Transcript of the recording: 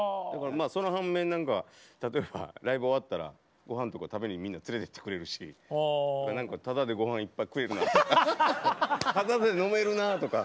その反面何か例えばライブ終わったらごはんとか食べにみんな連れてってくれるしただでごはんいっぱい食えるなとかただで飲めるなとか。